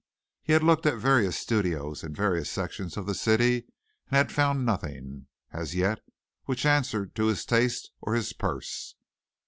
He had looked at various studios in various sections of the city and had found nothing, as yet, which answered to his taste or his purse.